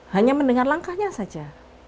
hanya mendengar langkahnya saja